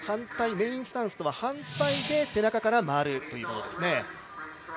メインスタンスとは反対で背中から回るものですね。